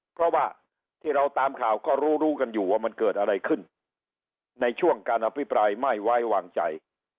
เพราะว่าที่เราตามข่าวก็รู้รู้กันอยู่ว่ามันเกิดอะไรขึ้นในช่วงการอภิปรายไม่ไว้วางใจ